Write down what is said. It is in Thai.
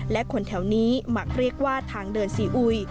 และคนแถวนี้มักเรียกว่าทางเดินซีอุย